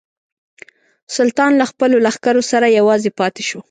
سلطان له خپلو لښکرو سره یوازې پاته شو.